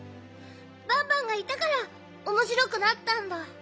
バンバンがいたからおもしろくなったんだ。